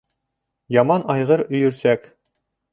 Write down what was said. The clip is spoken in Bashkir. Яман айғыр өйөрсәк.